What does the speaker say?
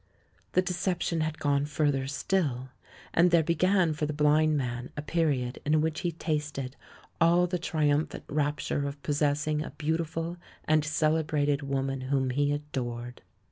The deception had gone further still, and there began for the blind man a period in which he tasted all the triumphant rapture of possessing a beautiful and celebrated woman whom he adored.